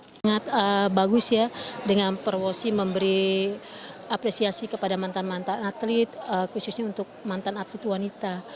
sangat bagus ya dengan promosi memberi apresiasi kepada mantan mantan atlet khususnya untuk mantan atlet wanita